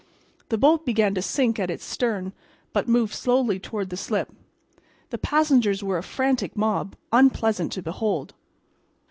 The boat began to sink at its stern, but moved slowly toward the slip. The passengers were a frantic mob, unpleasant to behold.